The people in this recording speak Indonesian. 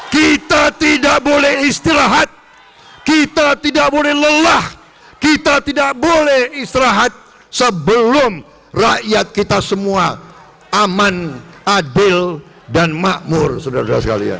kita tidak boleh istirahat kita tidak boleh lelah kita tidak boleh istirahat sebelum rakyat kita semua aman adil dan makmur saudara saudara sekalian